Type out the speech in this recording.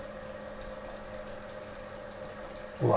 うわ。